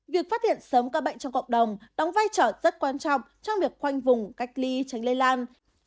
việc phát hiện sớm ca bệnh trong cộng đồng đóng vai trò rất quan trọng trong việc khoanh vùng cách ly tránh lây lan